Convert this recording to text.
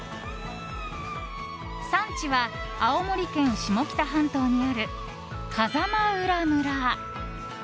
産地は青森県下北半島にある風間浦村。